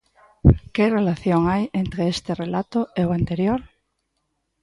Que relación hai entre este relato e o anterior?